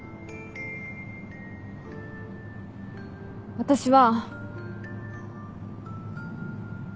私は。